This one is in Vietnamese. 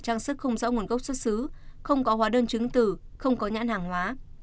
trang sức không rõ nguồn gốc xuất xứ không có hóa đơn chứng từ không có nhãn hàng hóa